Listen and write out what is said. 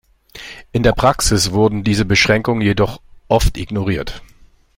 In der Praxis wurden diese Beschränkungen jedoch oft ignoriert.